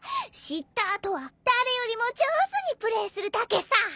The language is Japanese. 知った後は誰よりも上手にプレーするだけさ。